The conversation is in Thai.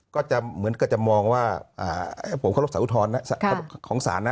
ก็จะเหมือนก็จะมองว่าผมเคารพสารอุทธรณ์ของศาลนะ